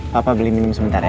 papa beli minum sebentar ya